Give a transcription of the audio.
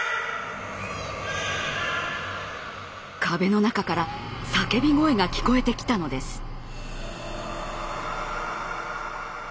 壁の中から叫び声が聞こえてきたのです。